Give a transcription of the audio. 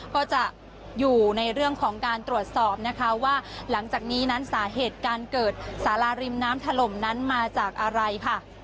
ก็จะอยู่ในเรื่องของการตรวจสอบนะคะว่าหลังจากนี้นั้นสาเหตุการเกิดสาราริมน้ำถล่มนั้นมาจากอะไรค่ะ